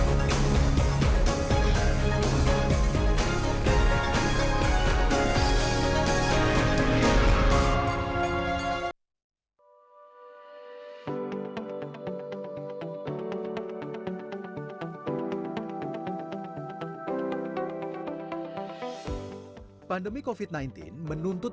perubahan ini menjadi momentum bagi industri perhotelan